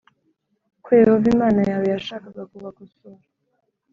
ko Yehova Imana yawe yashakaga kubakosora